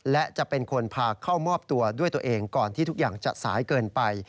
และจะเป็นคนพาเข้ามอบตัวด้วยตัวเองก่อนที่ทุกอย่างจะสายเกินไป